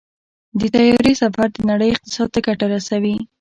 د طیارې سفر د نړۍ اقتصاد ته ګټه رسوي.